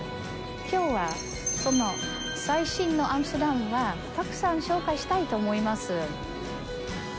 きょうはその最新のアムステルダムをたくさん紹介したいと思います。